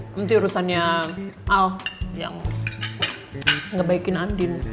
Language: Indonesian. nanti urusannya al yang ngebaikin andin